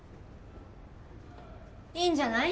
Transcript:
いいんじゃない？